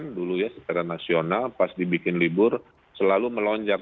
jadi itu adalah hal yang sangat fungsional pas dibikin libur selalu melonjak